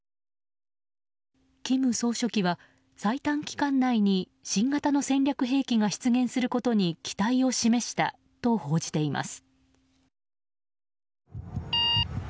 金総書記は最短期間内に新型の戦略兵器が出現することに期待を示したと報じています。